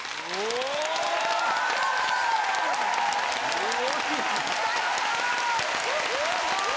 すごい！